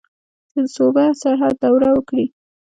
چې د صوبه سرحد دوره وکړي.